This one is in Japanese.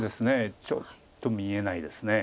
ちょっと見えないです。